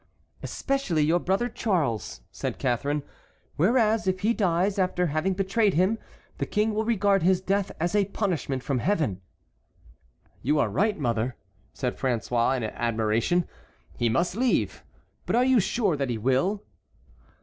"Especially your brother Charles," said Catharine; "whereas, if he dies after having betrayed him the King will regard his death as a punishment from Heaven." "You are right, mother," said François in admiration, "he must leave. But are you sure that he will?"